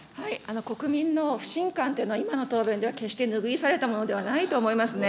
国民の不信感というのは、今の答弁では決して拭い去れたものではないと思いますね。